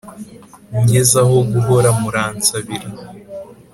Ngeze aho guhora muransabire.